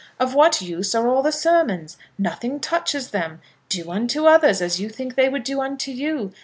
"Of what use are all the sermons? Nothing touches them. Do unto others as you think they would do unto you.